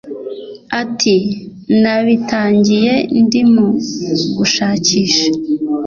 Ati “Nabitangiye ndi mu gushakisha